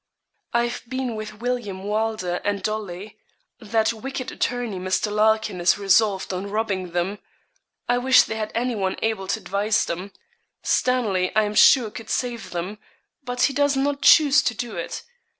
'I've been with William Wylder and Dolly. That wicked attorney, Mr. Larkin, is resolved on robbing them. I wish they had anyone able to advise them. Stanley I am sure could save them; but he does not choose to do it.